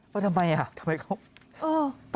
ทำไมอ่ะทำไมเขาเออ